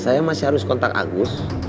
saya masih harus kontak agus